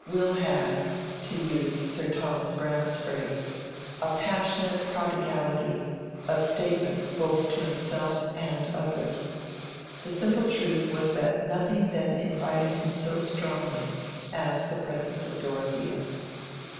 Will had—to use Sir Thomas Browne's phrase—a "passionate prodigality" of statement both to himself and others. The simple truth was that nothing then invited him so strongly as the presence of Dorothea.